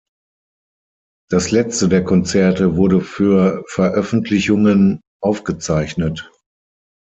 Das letzte der Konzerte wurde für Veröffentlichungen aufgezeichnet.